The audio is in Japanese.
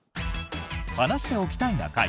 「話しておきたいな会」。